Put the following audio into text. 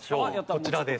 こちらです。